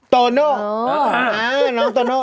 โตโน่น้องโตโน่